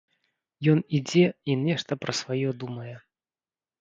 Ён ідзе і нешта пра сваё думае.